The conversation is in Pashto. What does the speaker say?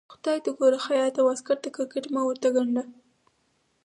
خدای ته ګوره خياطه واسکټ د کرکټ مه ورته ګنډه.